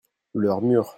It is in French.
leur mur.